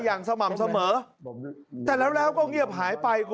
อย่างสม่ำเสมอแต่แล้วแล้วก็เงียบหายไปคุณ